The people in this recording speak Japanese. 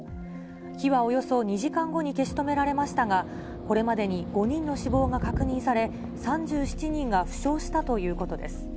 火はおよそ２時間後に消し止められましたが、これまでに５人の死亡が確認され、３７人が負傷したということです。